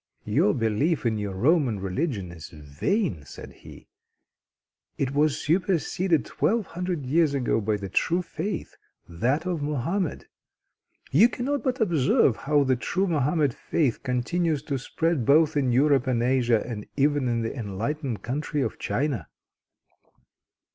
"Your belief in your Roman religion is vain," said he. "It was superseded twelve hundred years ago by the true faith: that of Mohammed! You cannot but observe how the true Mohammed faith continues to spread both in Europe and Asia, and even in the enlightened country of China.